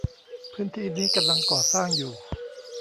พื้นที่นี้กำลังก่อสร้างอยู่